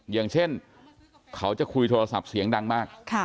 อย่างเช่นเขาจะคุยโทรศัพท์เสียงดังมาก